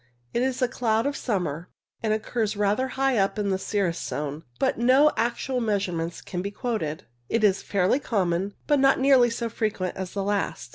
It is a cloud of summer, and occurs rather high up in the cirrus zone, but no actual measurements can be quoted. It is fairly common, but not nearly so frequent as the last.